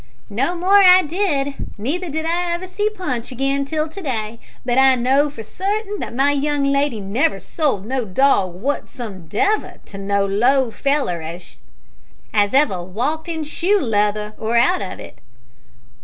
"No more I did. Neither did I ever see Punch again till to day, but I know for certain that my young lady never sold no dog wotsomedever to no low feller as ever walked in shoe leather or out of it!"